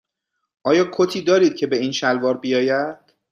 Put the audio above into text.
آیا کتی دارید که به این شلوار بیاید؟